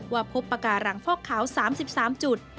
พบปาการังฟอกขาว๓๓จุด